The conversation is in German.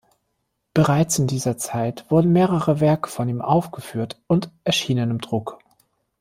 Bereits in dieser Zeit wurden mehrere Werke von ihm aufgeführt und erschienen im Druck.